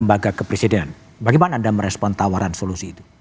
mbak gakke presiden bagaimana anda merespon tawaran solusi itu